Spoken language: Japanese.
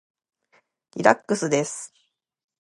リラックスです。